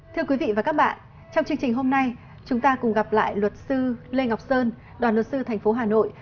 thưa quý vị và các bạn trong chương trình hôm nay chúng ta cùng gặp lại luật sư lê ngọc sơn đoàn luật sư thành phố hà nội